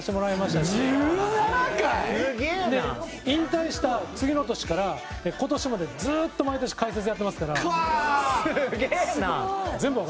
古田：引退した次の年から今年まで、ずっと毎年解説やってますから。